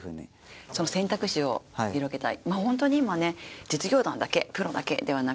その、選択肢を広げたい。